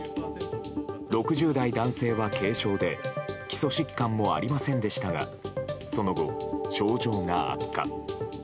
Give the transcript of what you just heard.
６０代男性は軽症で基礎疾患はありませんでしたがその後、症状が悪化。